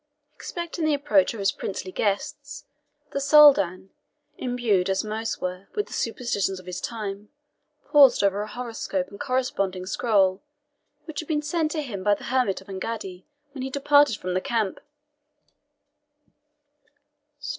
Expecting the approach of his princely guests, the Soldan, imbued, as most were, with the superstitions of his time, paused over a horoscope and corresponding scroll, which had been sent to him by the hermit of Engaddi when he departed from the camp.